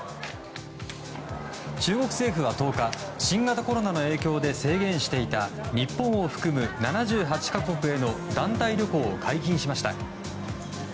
中国政府は１０日新型コロナの影響で制限していた日本を含む７８か国への団体旅行を解禁しました。